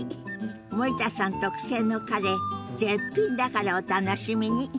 森田さん特製のカレー絶品だからお楽しみに。